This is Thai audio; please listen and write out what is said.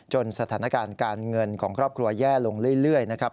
สถานการณ์การเงินของครอบครัวแย่ลงเรื่อยนะครับ